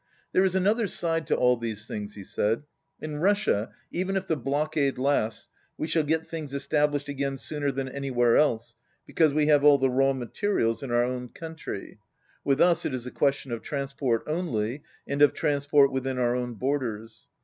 "There is another side to all these things," he said. "In Russia, even if the blockade lasts, we shall get things established again sooner than any where else, because we have all the raw materials in our own country. With us it is a question of transport only, and of transport within our own borders.